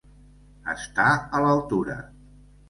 Estar a l'altura.